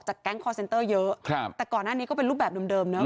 จากแก๊งคอร์เซ็นเตอร์เยอะแต่ก่อนหน้านี้ก็เป็นรูปแบบเดิม